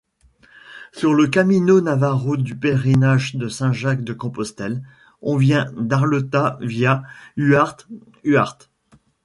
Sur le Camino navarro du Pèlerinage de Saint-Jacques-de-Compostelle, on vient d'Arleta via Huarte-Uharte.